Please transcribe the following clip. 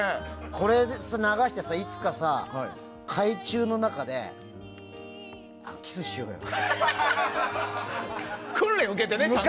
これ流して、いつか海中の中でキスしようよ。